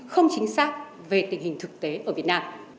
không chính xác về tình hình thực tế ở việt nam